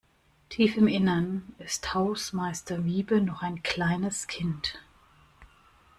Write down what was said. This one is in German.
Tief im Innern ist Hausmeister Wiebe noch ein kleines Kind.